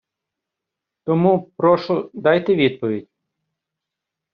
Тому, прошу, дайте відповідь!